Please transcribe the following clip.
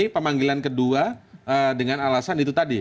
pemanggilan kedua dengan alasan itu tadi